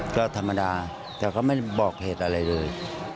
ก็ธรรมดาแต่เขาไม่ได้บอกเหตุอะไรเลย